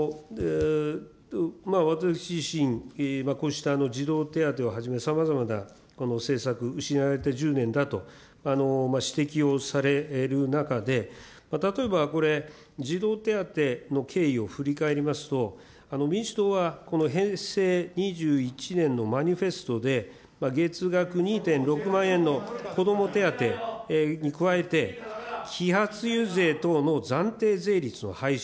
私自身、こうした児童手当をはじめさまざまなこの政策、失われた１０年だと指摘をされる中で、例えばこれ、児童手当の経緯を振り返りますと、民主党はこの平成２１年のマニフェストで、月額２．６万円の子ども手当に加えて、揮発油税等の暫定税率を廃止。